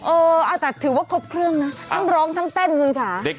เออแต่ถือว่าครบเครื่องนะทั้งร้องทั้งเต้นคุณค่ะ